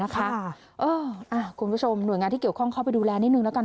คุณผู้ชมหน่วยงานที่เกี่ยวข้องเข้าไปดูแลนิดนึงแล้วกัน